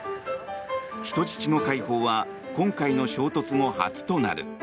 人質の解放は今回の衝突後初となる。